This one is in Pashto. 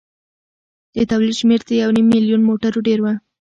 د تولید شمېر تر یو نیم میلیون موټرو ډېر و.